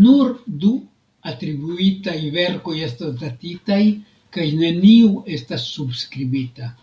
Nur du atribuitaj verkoj estas datitaj, kaj neniu estas subskribita.